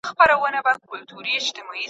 حساب مې له خپل شریک سره روښانه کړ.